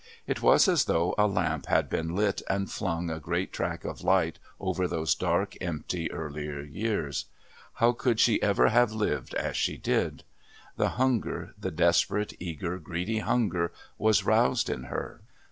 It was as though a lamp had been lit and flung a great track of light over those dark, empty earlier years. How could she ever have lived as she did? The hunger, the desperate, eager, greedy hunger was roused in her.